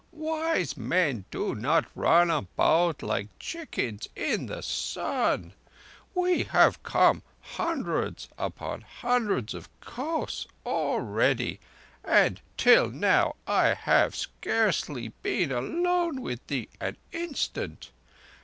Wise men do not run about like chickens in the sun. We have come hundreds upon hundreds of kos already, and, till now, I have scarcely been alone with thee an instant.